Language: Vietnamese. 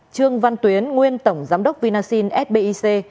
trương văn tuyến nguyên tổng giám đốc vinasin sbic